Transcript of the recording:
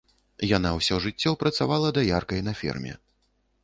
Яна ўсё жыццё працавала даяркай на ферме.